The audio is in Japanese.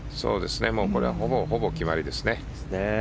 これはほぼほぼ決まりですね。